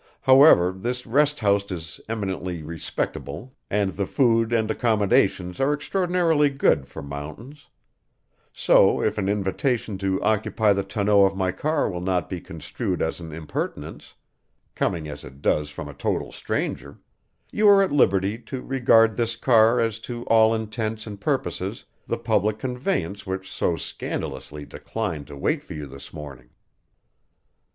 However, this rest house is eminently respectable and the food and accommodations are extraordinarily good for mountains; so, if an invitation to occupy the tonneau of my car will not be construed as an impertinence, coming as it does from a total stranger, you are at liberty to regard this car as to all intents and purposes the public conveyance which so scandalously declined to wait for you this morning."